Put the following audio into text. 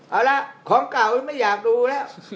เอาละของเก่าไม่อยากดูแล้ว